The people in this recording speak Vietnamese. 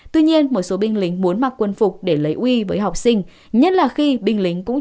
tuy nhiên một số binh lính muốn mặc quân phục để lấy uống